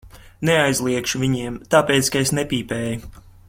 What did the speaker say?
Neaizliegšu viņiem, tāpēc ka es nepīpēju.